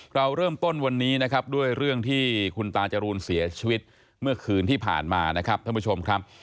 เราเริ่มต้นวันนี้นะครับด้วยเรื่องที่คุณตาจรูนเสียชีวิตเมื่อคืนที่ผ่านมานะครับท่านผู้ชมครับ